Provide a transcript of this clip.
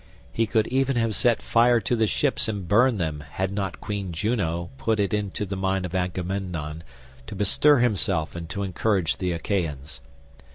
He would even have set fire to the ships and burned them, had not Queen Juno put it into the mind of Agamemnon, to bestir himself and to encourage the Achaeans.